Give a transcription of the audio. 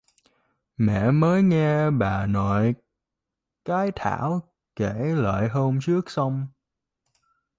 mẹ mới nghe bà nội cái thảo kể lại hôm trước xong